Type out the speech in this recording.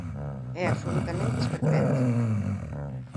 É absolutamente esperpéntico.